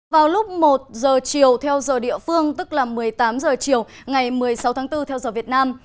vào lúc một giờ chiều theo giờ địa phương tức là một mươi tám h chiều ngày một mươi sáu tháng bốn theo giờ việt nam